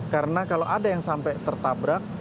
karena kalau ada yang sampai tertabrak